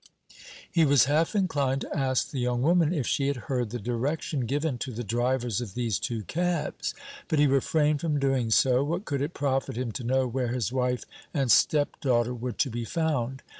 He was half inclined to ask the young woman if she had heard the direction given to the drivers of these two cabs. But he refrained from doing so. What could it profit him to know where his wife and stepdaughter were to be found?